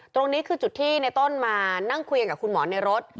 ตรงนี้คือจุดที่ในต้นมานั่งคุยกับคุณหมอในรถ